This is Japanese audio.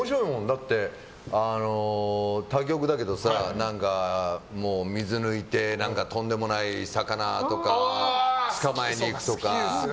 だって他局だけどさ水抜いて、とんでもない魚とかを捕まえるとか。